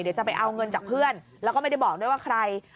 เดี๋ยวจะไปเอาเงินจากเพื่อนแล้วก็ไม่ได้บอกด้วยว่าใคร